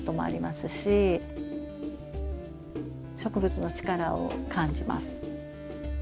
植物の力を感じます。